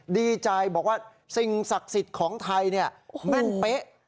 ดีใจบอกว่าสิ่งศักดิ์สิทธิ์ของไทยแม่นเป๊ะ